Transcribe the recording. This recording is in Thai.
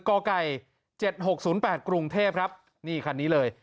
ก่อไก่เจ็ดหกศูนย์แปดกรุงเทพครับนี่คันนี้เลย